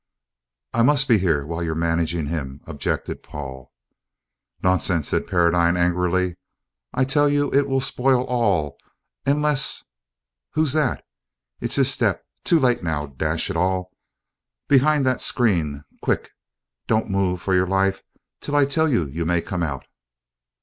"I I must be here while you are managing him," objected Paul. "Nonsense!" said Paradine angrily. "I tell you it will spoil all, unless you who's that? it's his step too late now dash it all! Behind that screen, quick don't move for your life till I tell you you may come out!"